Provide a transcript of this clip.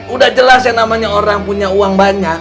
udah jelas yang namanya orang punya uang banyak